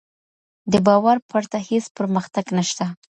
د باور پرته هیڅ پرمختګ نشته.